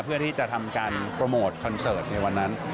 เพื่อที่จะทำการโปรโมทคอนเสิร์ตในวันนั้น